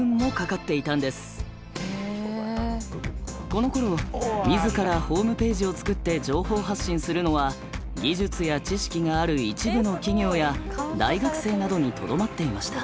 このころ自らホームページを作って情報発信するのは技術や知識がある一部の企業や大学生などにとどまっていました。